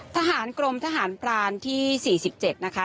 ทหารกรมทหารพรานที่๔๗นะคะ